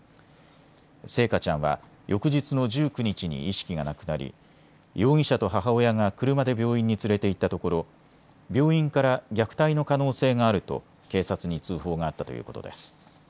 星華ちゃんは翌日の１９日に意識がなくなり容疑者と母親が車で病院に連れていったところ病院から虐待の可能性があると警察に通報があったということです。